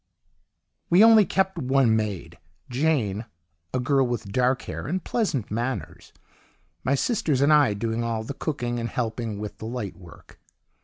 "We only kept one maid, Jane (a girl with dark hair and pleasant manners), my sisters and I doing all the cooking and helping with the light work.